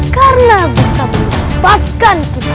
karena bisa membuatkan kita